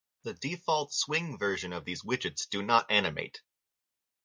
The default Swing version of these widgets do not animate.